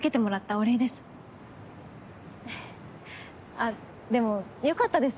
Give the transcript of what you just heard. あっでも良かったです